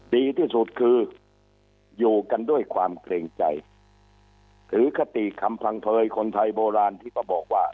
ดีที่สุดคืออยู่กันด้วยความเกรงใจหรือคติคำพังเผยคนไทยโบราณที่เขาบอกว่า